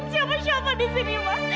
siapa siapa di sini mas